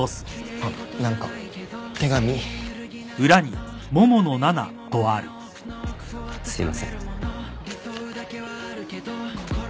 あっすいません。